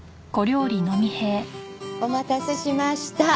お待たせしました。